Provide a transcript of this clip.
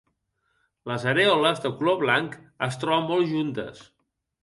Les arèoles, de color blanc, es troben molt juntes.